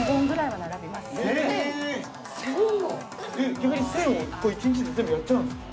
逆に１０００を１日で全部やっちゃうんですか。